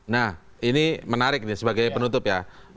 nah ini menarik nih sebagai penutup ya